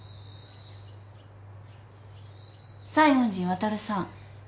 西園寺渉さん。